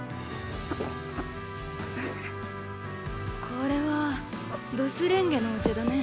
これはブスレンゲのお茶だね。